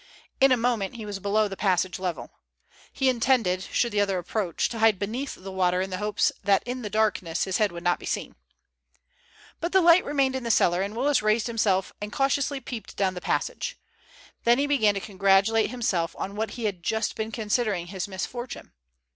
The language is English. In a moment he was below the passage level. He intended, should the other approach, to hide beneath the water in the hope that in the darkness his head would not be seen. But the light remained in the cellar, and Willis raised himself and cautiously peeped down the passage. Then he began to congratulate himself on what he had just been considering his misfortune.